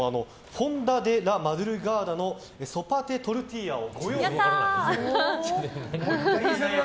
フォンダ・デ・ラ・マドゥルガーダのソパ・デ・トルティーヤを。